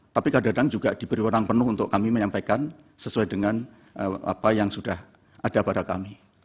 tapi kadang kadang juga diberi orang penuh untuk kami menyampaikan sesuai dengan apa yang sudah ada pada kami